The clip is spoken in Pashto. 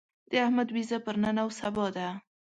د احمد وېزه پر نن او سبا ده.